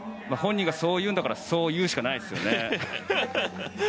本人がそう言うんだからそう言うしかないですよね。